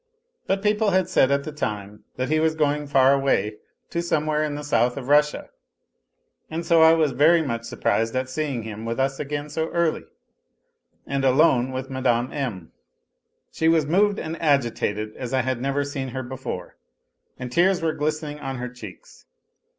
But people had said at the time that he was going far away to somewhere in the South of Russia, and so I was very much surprised at seeing him with us again so early, and alone with Mme. M. She was moved and agitated as I had never seen her before, and tears were glistening on her cheeks.